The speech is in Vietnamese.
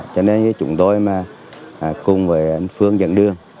cho nên như chúng tôi mà cùng với anh phương dẫn đường